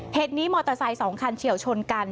เหตุนี้มอเตอร์ไซค์๒คันเฉียวชนกัน